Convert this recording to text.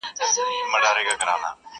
زه په لمبو کي د پتنګ میني منلی یمه.!